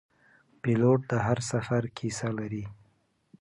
پیلوټ د هر سفر کیسه لري.